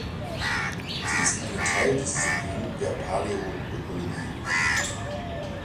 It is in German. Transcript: Sie ist eine Teildisziplin der Paläoökologie.